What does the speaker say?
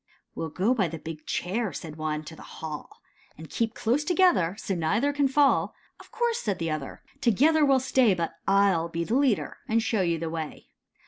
"We '11 go by the big chair," said one, "to the hall, And keep close together, so neither can fall." "Of course," said the other, "together we'll stay, But I '11 be the leader, and show you the way.